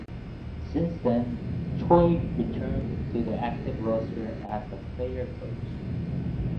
Since then, Choi returned to the active roster as a "player coach".